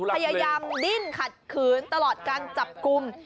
พยายามดิ้นขัดขืนตลอดการจับกลุ่ม